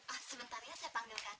ah sebentar ya saya panggilkan